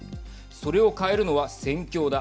それを変えるのは戦況だ。